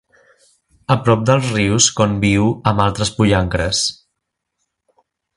A prop dels rius conviu amb altres pollancres.